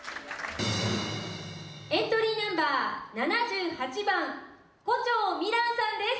エントリーナンバー７８番胡蝶美蘭さんです。